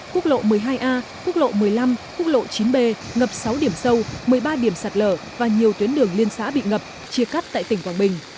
quốc lộ một mươi hai a quốc lộ một mươi năm quốc lộ chín b ngập sáu điểm sâu một mươi ba điểm sạt lở và nhiều tuyến đường liên xã bị ngập chia cắt tại tỉnh quảng bình